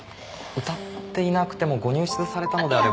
歌っていなくてもご入室されたのであれば。